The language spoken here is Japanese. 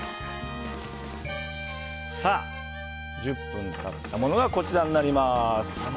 １０分経ったものがこちらになります。